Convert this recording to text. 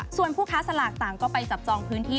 ส่วนผู้ค้าสลากต่างก็ไปจับจองพื้นที่